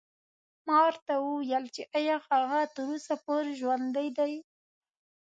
ما ورته وویل چې ایا هغه تر اوسه پورې ژوندی دی.